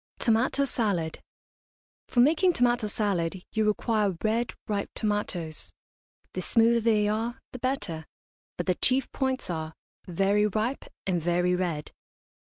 TOMATO SALAD. For making tomato salad you require red, ripe tomatoes; the smoother they are the better, but the chief points are very ripe and very red.